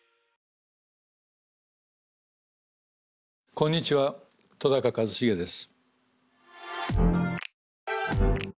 こんにちは戸一成です。